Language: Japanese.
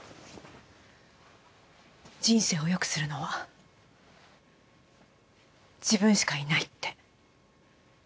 人生を良くするのは自分しかいないって。